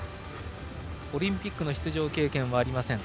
オリンピックの出場経験はありません。